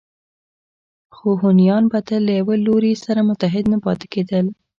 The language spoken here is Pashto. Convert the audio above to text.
خو هونیان به تل له یوه لوري سره متحد نه پاتې کېدل